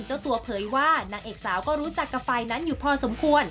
เจ้าตัวเผยว่านางเอกสาวก็รู้จักกับฝ่ายนั้นอยู่พอสมควร